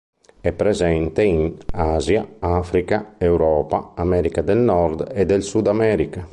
È presente in Asia, Africa, Europa, America del Nord e del Sud America.